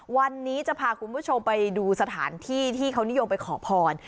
วันนี้จะพาคุณผู้ชมไปดูสถานที่ที่เขานิยมไปขอพร